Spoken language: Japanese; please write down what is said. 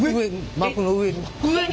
膜の上に。